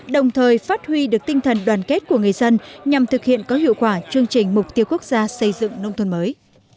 đồng thời phát huy được tinh thần đoàn kết của người dân nhằm thực hiện có hiệu quả chương trình mục tiêu quốc gia xây dựng nông thôn mới